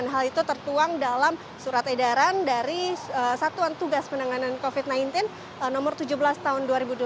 hal itu tertuang dalam surat edaran dari satuan tugas penanganan covid sembilan belas nomor tujuh belas tahun dua ribu dua puluh